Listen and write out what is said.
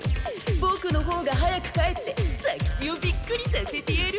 ボクのほうが早く帰って左吉をビックリさせてやる！